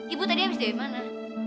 ibu tadi habis dari mana